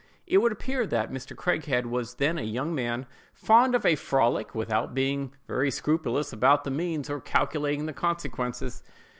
It would appear that Mr. Craighead was then a young man, fond of a frolic, without being very scrupulous about the means, or calculating the consequences.